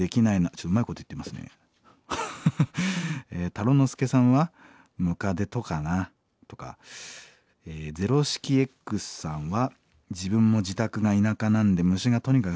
タロノスケさんは「ムカデとかな」とか。０シキＸさんは「自分も自宅が田舎なんで虫がとにかく入ってきますね」。